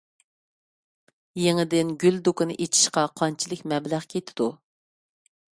يېڭىدىن گۈل دۇكىنى ئېچىشقا قانچىلىك مەبلەغ كېتىدۇ؟